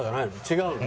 違うの？